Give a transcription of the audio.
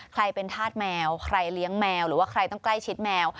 ใครเป็นธาตุแมวใครเลี้ยงแมวหรือว่าใครต้องใกล้ชิดแมว